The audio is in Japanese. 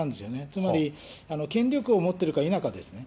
つまり権力を持っているか否かですね。